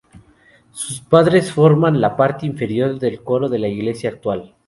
Sus paredes forman la parte inferior del coro de la iglesia actual.